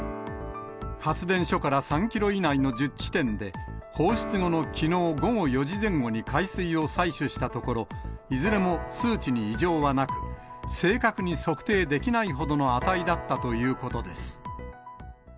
発電所から３キロ以内の１０地点で、放出後のきのう午後４時前後に海水を採取したところ、いずれも数値に異常はなく、正確に測定できないほどの値だったということです。